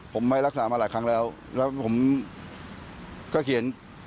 ผมไม่รักษามาหลายครั้งแล้วแล้วผมก็เขียน